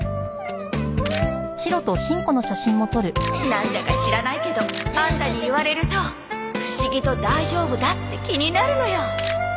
なんだか知らないけどアンタに言われると不思議と大丈夫だって気になるのよ